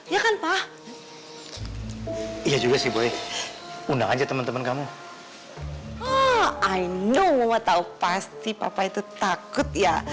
ya kan pak iya juga sih boy undang aja temen temen kamu oh i know mama tau pasti papa itu takut ya